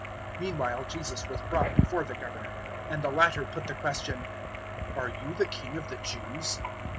027:011 Meanwhile Jesus was brought before the Governor, and the latter put the question, "Are you the King of the Jews?"